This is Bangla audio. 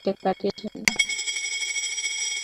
তিনি তার জীবনের অধিকাংশ সময় বাগদাদ নগরীতে কাটিয়েছেন।